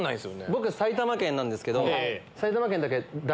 僕埼玉県なんですけど。